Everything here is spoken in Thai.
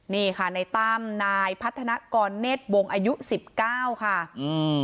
นี่ค่ะในตั้มนายพัฒนากรเนธวงศ์อายุสิบเก้าค่ะอืม